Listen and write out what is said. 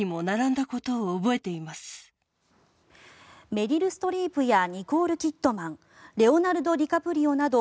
メリル・ストリープやニコール・キッドマンレオナルド・ディカプリオなど